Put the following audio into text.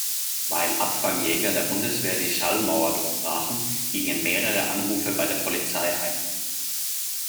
Weil Abfangjäger der Bundeswehr die Schallmauer durchbrachen, gingen mehrere Anrufe bei der Polizei ein.